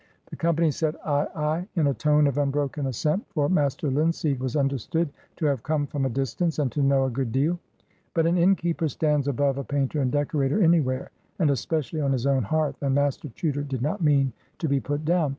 The company said, "Ay, ay!" in a tone of unbroken assent, for Master Linseed was understood to have "come from a distance," and to "know a good deal." But an innkeeper stands above a painter and decorator anywhere, and especially on his own hearth, and Master Chuter did not mean to be put down.